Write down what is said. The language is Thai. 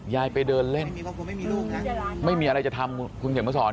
ยายไปเดินเล่นไม่มีอะไรจะทำคุณเขียนมาสอน